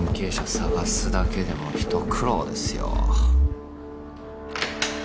捜すだけでも一苦労ですよ